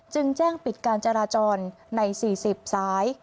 จึงแจ้งปิดการจราจรใน๔๐สาย